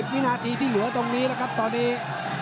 วินาทีที่เหลือตรงนี้แล้วครับตอนนี้